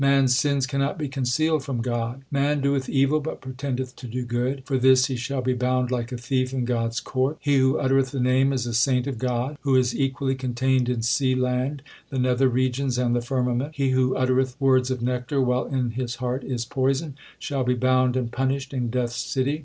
Man s sins cannot be concealed from God : Man doeth evil but pretendeth to do good : For this he shall be bound like a thief in God s court. He who uttereth the Name is a saint of God Who is equally contained in sea, land, the nether regions, and the firmament He who uttereth words of nectar while in his heart is poison, Shall be bound and punished in Death s city.